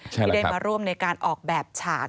ที่ได้มาร่วมในการออกแบบฉาก